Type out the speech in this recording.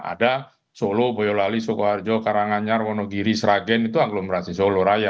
ada solo boyolali sukoharjo karanganyar wonogiri sragen itu aglomerasi solo raya